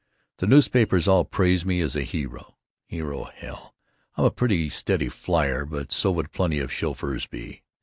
The newspapers all praise me as a hero. Hero, hell! I'm a pretty steady flier but so would plenty of chauffeurs be.